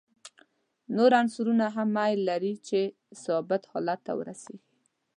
نور عنصرونه هم میل لري چې ثابت حالت ته ورسیږي.